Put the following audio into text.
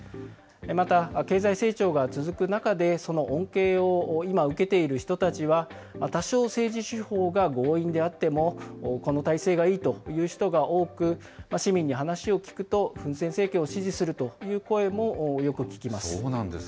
また、経済成長が続く中で、その恩恵を今、受けている人たちは、多少政治手法が強引であっても、この体制がいいという人が多く、市民に話を聞くと、フン・セン政権を支持するという声もよく聞きます。